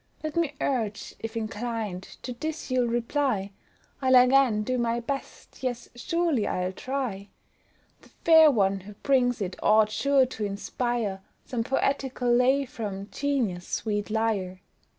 Let me urge, if inclined, to this you'll reply, I'll again do my best, yes, surely I'll try; The fair one who brings it ought sure to inspire Some poetical lay from Genius' sweet lyre.